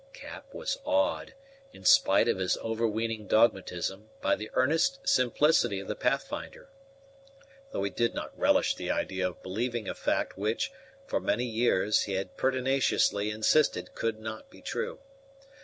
Cap was awed, in spite of his overweening dogmatism, by the earnest simplicity of the Pathfinder, though he did not relish the idea of believing a fact which, for many years, he had pertinaciously insisted could not be true.